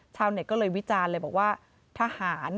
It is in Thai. ชาวเน็ตก็เลยวิจารณ์เลยบอกว่าทหาร